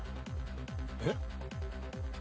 えっ？